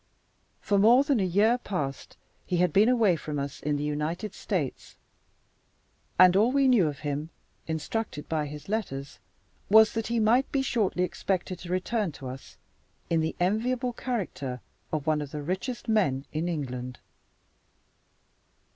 For more than a year past he had been away from us in the United States; and all we knew of him (instructed by his letters) was, that he might be shortly expected to return to us in the enviable character of one of the richest men in England.